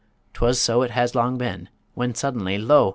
'Twas so as it had long been, when suddenly, lo!